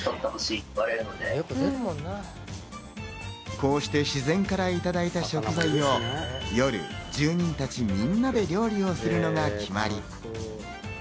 こうして自然からいただいた食材を夜、住人たちみんなで料理をするのが決まり。